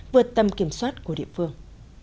vượt tầm kiểm soát của địa phương